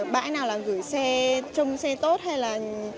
bãi nào là gửi xe trông xe tốt hay là